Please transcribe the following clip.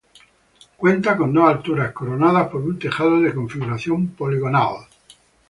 Cuenta con dos alturas coronadas por un tejado de configuración poligonal.